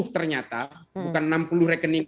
ternyata bukan enam puluh rekening